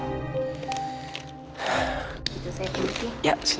itu saya penutup